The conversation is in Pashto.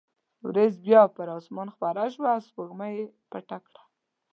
وریځ بیا پر اسمان خپره شوه او سپوږمۍ یې پټه کړه.